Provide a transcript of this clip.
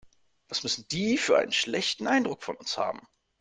Was müssen die für einen schlechten Eindruck von uns haben.